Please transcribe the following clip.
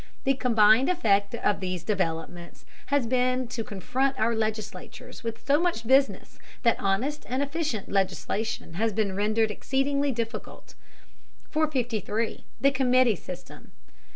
The combined effect of these developments has been to confront our legislatures with so much business that honest and efficient legislation has been rendered exceedingly difficult. 453 THE COMMITTEE SYSTEM.